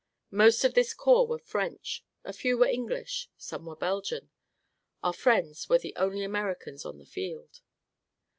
Most of this corps were French; a few were English; some were Belgian. Our friends were the only Americans on the field.